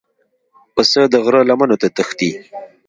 پسه د غره لمنو ته تښتي.